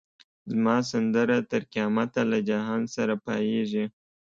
زما سندره تر قیامته له جهان سره پاییږی